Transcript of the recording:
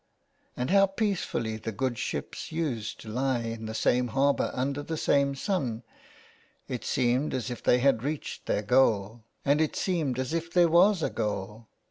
And how peacefully the good ships used *' to lie in the same harbour, under the same sun ;" it seemed as if they had reached their goal, and it " seemed as if there was a goal.